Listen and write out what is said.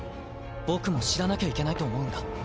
僕も知らなきゃいけないと思うんだ。